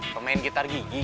pemain gitar gigi